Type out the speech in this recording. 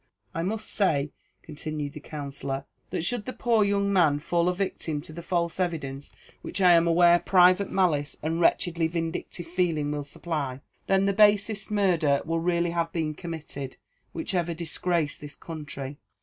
I must say," continued the Counsellor, "that should the poor young man fall a victim to the false evidence which I am aware private malice and wretchedly vindictive feeling will supply, then the basest murder will really have been committed which ever disgraced this county.